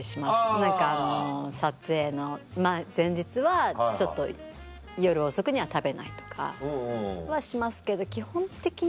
何か撮影の前日はちょっと夜遅くには食べないとかはしますけど基本的に。